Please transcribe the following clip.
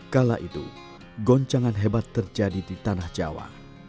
kala itu goncangan hebat terjadi di tanah jawa